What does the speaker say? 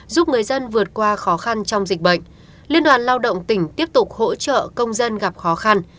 giúp người dân vượt qua khó khăn trong dịch bệnh liên đoàn lao động tỉnh tiếp tục hỗ trợ công dân gặp khó khăn